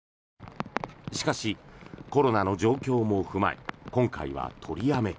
しかし、コロナの状況も踏まえ今回は取りやめ。